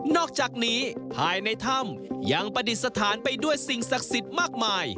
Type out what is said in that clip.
อกจากนี้ภายในถ้ำยังประดิษฐานไปด้วยสิ่งศักดิ์สิทธิ์มากมาย